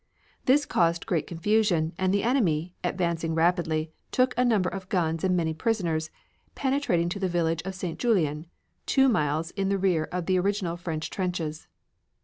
This caused great confusion, and the enemy, advancing rapidly, took a number of guns and many prisoners, penetrating to the village of St. Julien, two miles in the rear of the original French trenches.